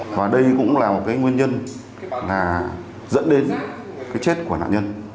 và đây cũng là một cái nguyên nhân là dẫn đến cái chết của nạn nhân